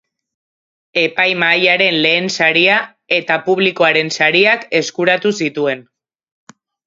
Epaimahaiaren lehen saria eta publikoaren sariak eskuratu zituen.